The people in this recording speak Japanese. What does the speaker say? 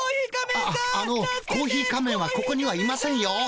ああのコーヒー仮面はここにはいませんよ。